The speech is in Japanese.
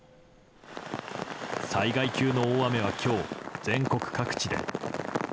災害級の大雨は今日、全国各地で。